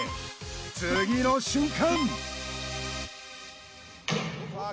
次の瞬間